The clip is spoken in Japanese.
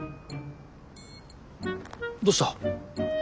どうした？